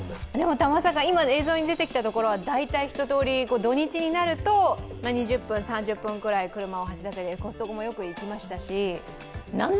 多摩境、今映像に出てきたところは２０分、３０分くらい車を走らせてコストコもよく行きましたし